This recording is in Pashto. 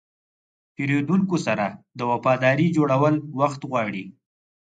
د پیرودونکو سره وفاداري جوړول وخت غواړي.